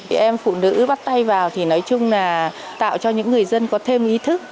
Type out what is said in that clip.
chị em phụ nữ bắt tay vào thì nói chung là tạo cho những người dân có thêm ý thức